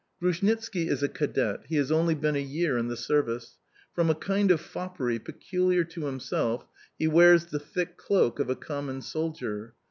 Grushnitski is a cadet; he has only been a year in the service. From a kind of foppery peculiar to himself, he wears the thick cloak of a common soldier.